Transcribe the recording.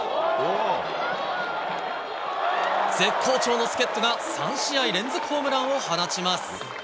絶好調の助っ人が３試合連続ホームランを放ちます。